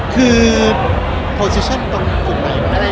คือโปสิชั่นตรงฝุ่นไหนมันมีตัวนี้